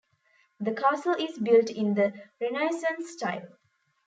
The castle is built in the Renaissance style.